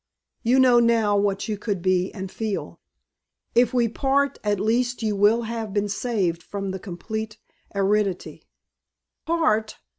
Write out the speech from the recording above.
You know now what you could be and feel. If we part at least you will have been saved from the complete aridity " "Part?"